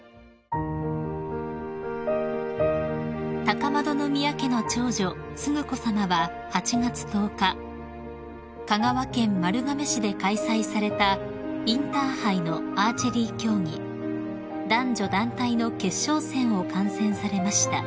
［高円宮家の長女承子さまは８月１０日香川県丸亀市で開催されたインターハイのアーチェリー競技男女団体の決勝戦を観戦されました］